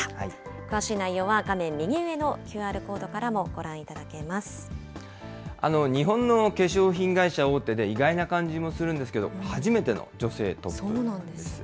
詳しい内容は、画面右上のＱＲコ日本の化粧品会社大手で、意外な感じもするんですけれども、初めての女性トップです。